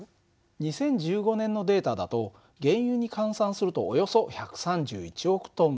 ２０１５年のデータだと原油に換算するとおよそ１３１億トン。